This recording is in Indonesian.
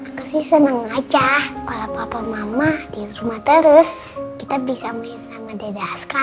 makasih seneng aja oleh papa mama di rumah terus kita bisa main sama deda askara